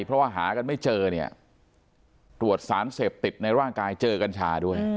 เพราะว่าหากันไม่เจอเนี่ยตรวจสารเสพติดในร่างกายเจอกัญชาด้วย